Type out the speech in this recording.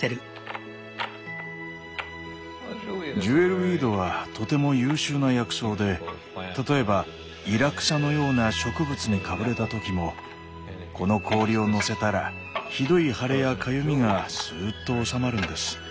ジュエルウィードはとても優秀な薬草で例えばイラクサのような植物にかぶれた時もこの氷をのせたらひどい腫れやかゆみがスーッと治まるんです。